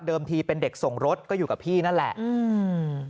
ทีเป็นเด็กส่งรถก็อยู่กับพี่นั่นแหละอืม